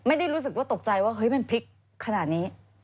ไม่ได้รู้สึกว่าตกใจว่าเฮ้ยมันพลิกขนาดนี้